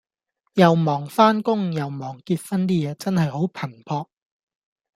又忙返工又忙結婚 D 野，真係好頻撲